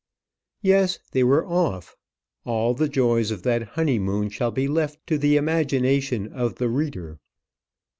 Yes, they were off. All the joys of that honeymoon shall be left to the imagination of the reader.